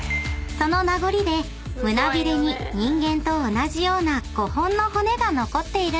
［その名残で胸ビレに人間と同じような５本の骨が残っているんです］